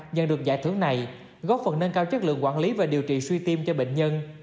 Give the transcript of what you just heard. nhận được giải thưởng này góp phần nâng cao chất lượng quản lý và điều trị suy tim cho bệnh nhân